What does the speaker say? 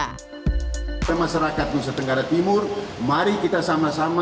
kita masyarakat nusa tenggara timur mari kita sama sama